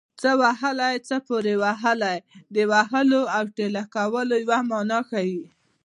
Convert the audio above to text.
څه وهلی څه پورې وهلی د وهلو او ټېله کولو یوه مانا ښيي